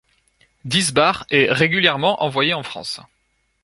Diesbach est régulièrement envoyé en France.